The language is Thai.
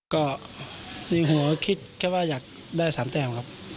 ก็ในหัวคิดแค่ว่าอยากได้๓แต้มครับ